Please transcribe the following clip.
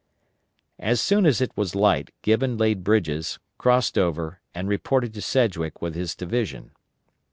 As soon as it was light Gibbon laid bridges, crossed over, and reported to Sedgwick with his division.